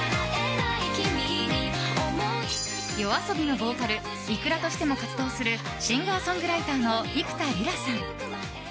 ＹＯＡＳＯＢＩのボーカルｉｋｕｒａとしても活動するシンガーソングライターの幾田りらさん。